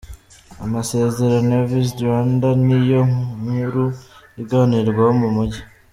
Amasezerano ya ‘Visit Rwanda’ ni yo nkuru iganirwaho mu mujyi.